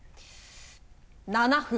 ７分。